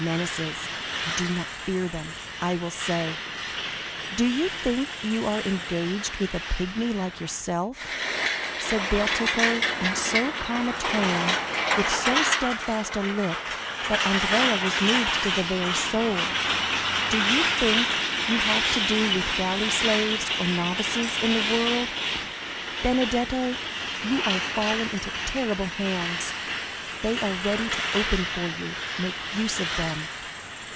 "Menaces—I do not fear them. I will say——" "Do you think you are engaged with a pygmy like yourself?" said Bertuccio, in so calm a tone, and with so steadfast a look, that Andrea was moved to the very soul. "Do you think you have to do with galley slaves, or novices in the world? Benedetto, you are fallen into terrible hands; they are ready to open for you—make use of them.